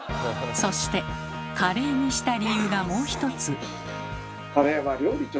そして「カレー」にした理由がもう一つ。